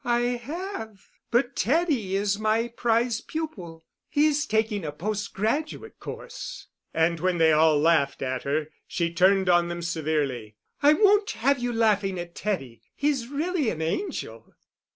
"I have. But Teddy is my prize pupil. He's taking a post graduate course." And, when they all laughed at her, she turned on them severely. "I won't have you laughing at Teddy. He's really an angel."